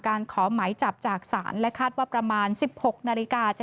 การขอไหมจับจากสารและคาดว่าประมาณสิบหกนาฬิกาจะ